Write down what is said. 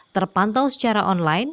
terpantau secara online